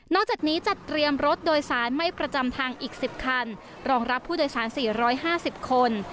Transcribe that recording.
นอกจากนี้จัดเตรียมรถโดยสารไม่ประจำทางอีกสิบคันรองรับผู้โดยสารสี่ร้อยห้าสิบคน